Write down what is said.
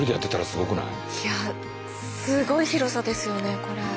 すごい広さですよねこれ。